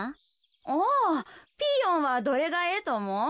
ああピーヨンはどれがええとおもう？